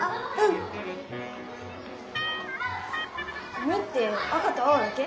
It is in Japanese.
おにって赤と青だけ？